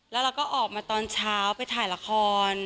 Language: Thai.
แล้วเราก็ออกมาตอนเช้าไปถ่ายละคร